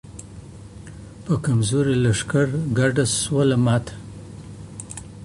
په کمزوري لښکر ګډه سوله ماته